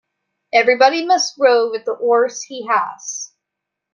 Everybody must row with the oars he has.